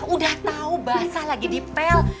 udah tahu basah lagi di pel